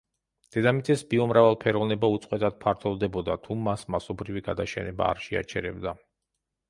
დედამიწის ბიომრავალფეროვნება უწყვეტად ფართოვდებოდა, თუ მას მასობრივი გადაშენება არ შეაჩერებდა.